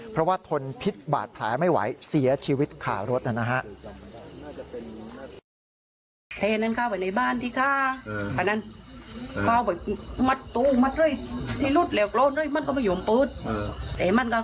เพราะว่าทนพิษบาดแผลไม่ไหวเสียชีวิตขารถนะฮะ